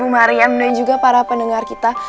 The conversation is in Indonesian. bu marian dan juga para pendengar kita